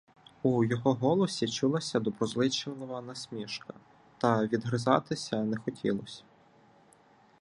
У його голосі чулася доброзичлива насмішка, та "відгризатися" не хотілося.